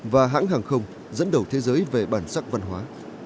và hãng hàng không dẫn đầu thế giới về bản sắc văn hóa